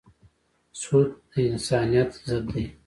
سود د انسانیت ضد دی.